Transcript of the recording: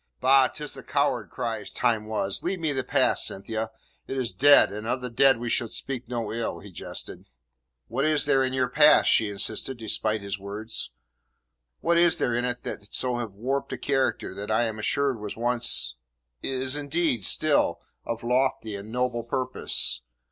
"Bah! 'Tis the coward cries "time was"! Leave me the past, Cynthia. It is dead, and of the dead we should speak no ill," he jested. "What is there in your past?" she insisted, despite his words. "What is there in it so to have warped a character that I am assured was once is, indeed, still of lofty and noble purpose?